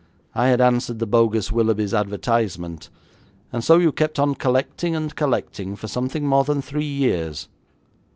I had answered the bogus Willoughby's advertisement. And so you kept on collecting and collecting for something more than three years.